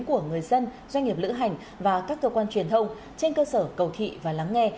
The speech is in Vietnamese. của người dân doanh nghiệp lữ hành và các cơ quan truyền thông trên cơ sở cầu thị và lắng nghe